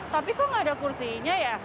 tapi kok nggak ada kursinya ya